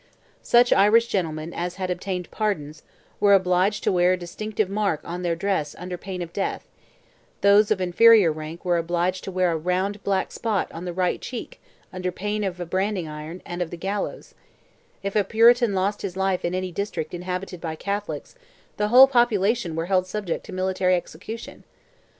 Such Irish gentlemen as had obtained pardons, were obliged to wear a distinctive mark on their dress under pain of death; those of inferior rank were obliged to wear a round black spot on the right cheek under pain of the branding iron and the gallows; if a Puritan lost his life in any district inhabited by Catholics, the whole population were held subject to military execution.